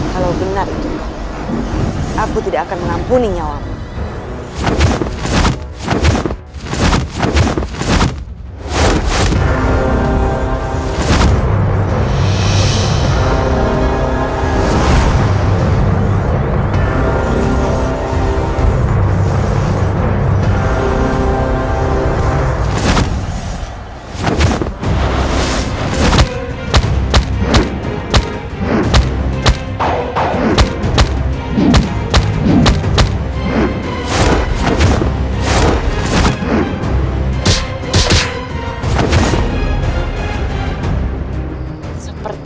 kalau benar itu kau aku tidak akan mengampuni nyawamu